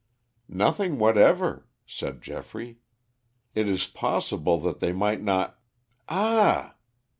"Nothing whatever," said Geoffrey. "It is possible that they might not Ah!"